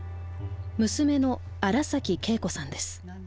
娘の新崎恵子さんです。